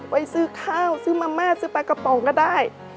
ไว้ซื้อข้าวซื้อมะม่าซื้อปลากระป๋องก็ได้